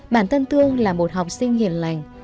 bản thân thương là một học sinh hiền lành